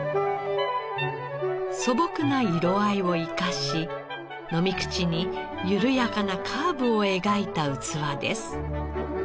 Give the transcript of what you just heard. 素朴な色合いを生かし飲み口に緩やかなカーブを描いた器です。